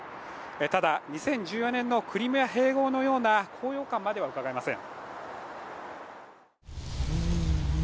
ただ、２０１４年のクリミア併合のような高揚感までは、うかがえません。